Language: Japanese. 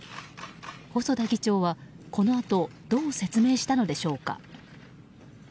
細田議長は、このあとどう説明したのでしょうか。